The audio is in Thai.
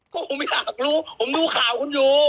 ก็คงไม่อยากรู้ผมดูข่าวคุณอยู่